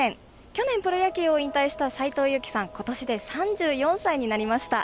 去年プロ野球を引退した斎藤佑樹さん、ことしで３４歳になりました。